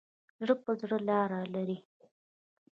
زړه په زړه لار لري.